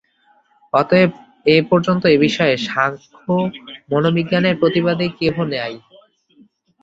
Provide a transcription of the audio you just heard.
অতএব এ পর্যন্ত এ-বিষয়ে সাংখ্য-মনোবিজ্ঞানের প্রতিবাদী কেহ নাই।